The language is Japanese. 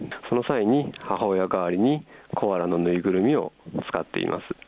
その際に、母親代わりにコアラの縫いぐるみを使っています。